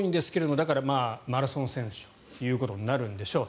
だからマラソン選手ということになるんでしょう。